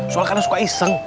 soalnya karena suka iseng